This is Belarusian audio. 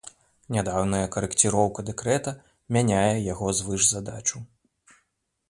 Нядаўняя карэкціроўка дэкрэта мяняе яго звышзадачу.